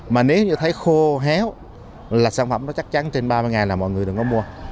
mà nếu như thấy khô héo là sản phẩm nó chắc chắn trên ba mươi ngày là mọi người đừng có mua